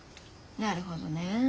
なるほどね。